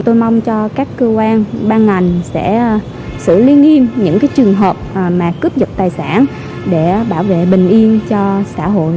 tôi mong cho các cơ quan ban ngành sẽ xử lý nghiêm những trường hợp mà cướp giật tài sản để bảo vệ bình yên cho xã hội